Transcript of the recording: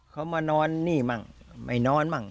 เขามานอนนี่มั่งไม่นอนมั่ง